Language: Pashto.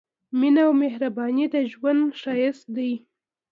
مينه او مهرباني د ژوند ښايست دی